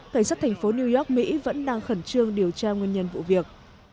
cảnh sát thành phố new york mỹ vẫn đang khẩn trương điều tra nguyên nhân vụ việc